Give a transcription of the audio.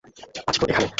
আছি তো এখানেই।